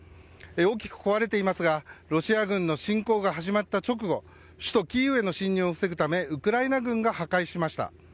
大きく壊れていますがロシア軍の侵攻が始まった直後首都キーウへの侵入を防ぐためウクライナ軍が破壊しました。